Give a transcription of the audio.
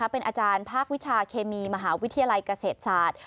เป็นอาจารย์ภาควิชาเคมีมหาวิทยาลัยเกษตรศาสตร์